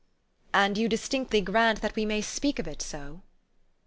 '* 11 And you distinctly grant that we may speak of it, so?"